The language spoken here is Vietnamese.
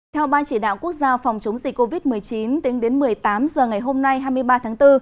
theo ban chỉ đạo quốc gia phòng chống dịch covid một mươi chín tính đến một mươi tám h ngày hôm nay hai mươi ba tháng bốn